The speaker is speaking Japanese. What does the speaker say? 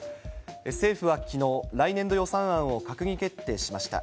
政府はきのう、来年度予算案を閣議決定しました。